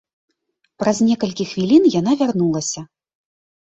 Праз некалькі хвілін яна вярнулася.